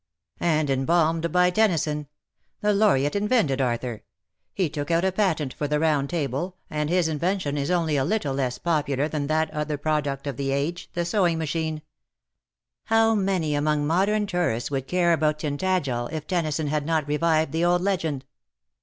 "And embalmed by Tennyson. The Laureate invented Arthur — he took out a patent for the Eound Table, and his invention is only a little less popular than that other product of the age, the sewing machine. How many among modern tourists would care about Tintagel if Tennyson had not revived the old legend